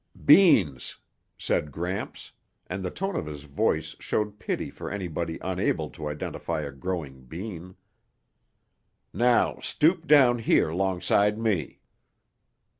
"Beans," said Gramps, and the tone of his voice showed pity for anybody unable to identify a growing bean. "Now stoop down here 'longside me."